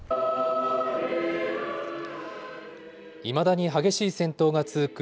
いまだに激しい戦闘が続く